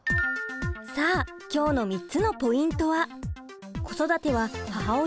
さあ今日の３つのポイントは。